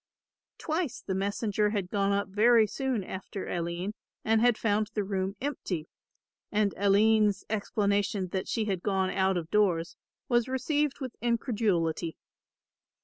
Twice the messenger had gone up very soon after Aline and had found the room empty; and Aline's explanation that she had gone out of doors was received with incredulity.